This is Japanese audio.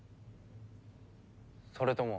それとも。